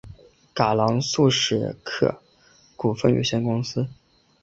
葛兰素史克股份有限公司。